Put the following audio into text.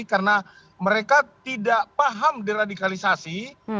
karena mereka tidak paham deradikalisasi